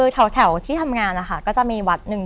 ที่ทำงานก็จะมีวัดนึง